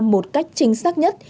một cách chính xác nhất